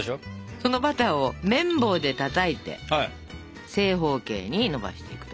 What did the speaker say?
そのバターを麺棒でたたいて正方形にのばしていくと。